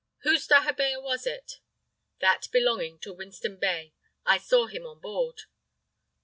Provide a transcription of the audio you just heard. "Whose dahabeah was it?" "That belonging to Winston Bey. I saw him on board."